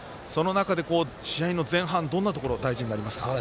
試合の前半どんなところが大事になりますか。